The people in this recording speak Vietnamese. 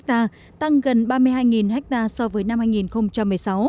tăng gần ba mươi hai ha so với năm hai nghìn một mươi sáu